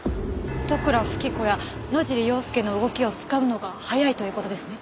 利倉富貴子や野尻要介の動きをつかむのが早いという事ですね？